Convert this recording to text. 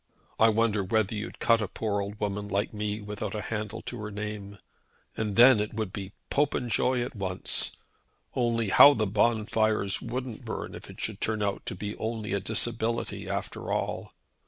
I wonder whether you'd cut a poor old woman like me, without a handle to her name. And then it would be Popenjoy at once! Only how the bonfires wouldn't burn if it should turn out to be only a disability after all.